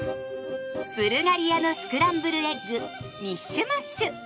ブルガリアのスクランブルエッグミッシュマッシュ。